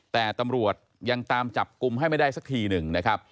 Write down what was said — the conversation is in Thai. แต่ตำรวจยังตามจับกลุ่มให้ไม่ได้สักทีหนึ่งนะครับ